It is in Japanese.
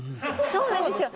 そうなんですよ。